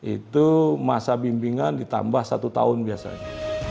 itu masa bimbingan ditambah satu tahun biasanya